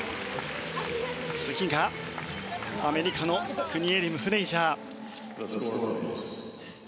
次がアメリカのクニエリム、フレイジャー。